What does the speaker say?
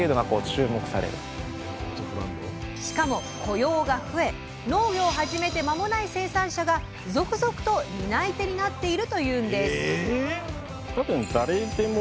しかも雇用が増え農業を始めて間もない生産者が続々と担い手になっているというんです！